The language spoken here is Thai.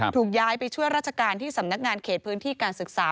ถูกย้ายไปช่วยราชการที่สำนักงานเขตพื้นที่การศึกษา